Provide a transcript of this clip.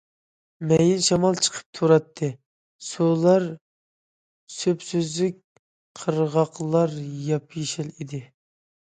مەيىن شامال چىقىپ تۇراتتى، سۇلار سۈپسۈزۈك، قىرغاقلار ياپيېشىل ئىدى.